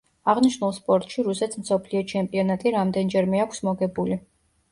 აღნიშნულ სპორტში რუსეთს მსოფლიო ჩემპიონატი რამდენჯერმე აქვს მოგებული.